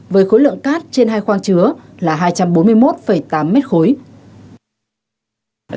với khối lượng cát trên hai khoang chứa là hai trăm bốn mươi một tám mét khối